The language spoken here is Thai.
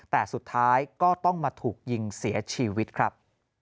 แต่สุดท้ายก็ต้องมาถูกยิงเสียชีวิตครับ